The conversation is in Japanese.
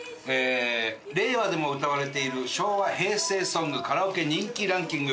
令和でも歌われている昭和平成ソングカラオケ人気ランキング